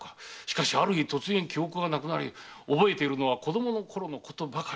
がある日突然記憶がなくなり覚えているのは子供のころのことばかり。